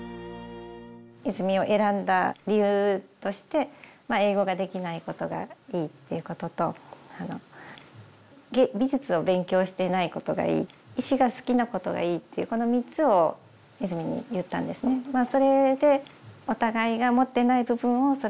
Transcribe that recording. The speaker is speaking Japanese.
和泉を選んだ理由として英語ができないことがいいっていうことと美術を勉強していないことがいい石が好きなことがいいっていうこの３つを和泉に言ったんですね。